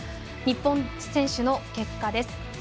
日本選手の結果です。